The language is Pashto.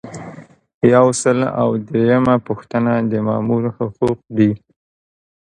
یو سل او دریمه پوښتنه د مامور حقوق دي.